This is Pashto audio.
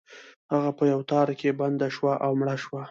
هغه په یو تار کې بنده شوه او مړه شوه.